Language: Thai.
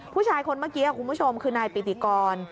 ผู้ชายคนเมื่อกี้คุณผู้ชมคือนายปิติกร